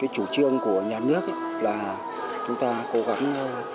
chủ trương của nhà nước là chúng ta cố gắng